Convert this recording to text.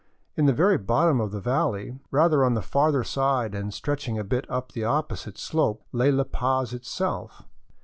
In the very bottom of the valley, rather on the further side and stretching a bit up the opposite slope, lay La Paz itself.